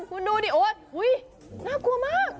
คุณดูดิโอ๊ยน่ากลัวมาก